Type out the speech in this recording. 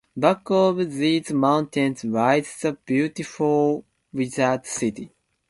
Back of these mountains lies the beautiful Wizard City.